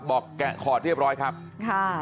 บอกแก้คอเรียบร้อยครับค่ะ